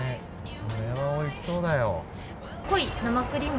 これはおいしそうだよ。